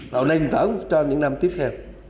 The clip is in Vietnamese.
tạo nền tảng cho những năm tiếp theo